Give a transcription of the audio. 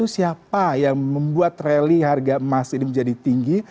siapa yang membuat rally harga emas ini menjadi tinggi